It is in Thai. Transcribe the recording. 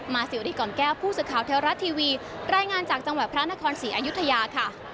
สิวรีก่อนแก้วผู้สื่อข่าวเทวรัฐทีวีรายงานจากจังหวัดพระนครศรีอยุธยาค่ะ